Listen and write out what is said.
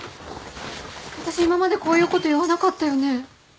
あたし今までこういうこと言わなかったよね？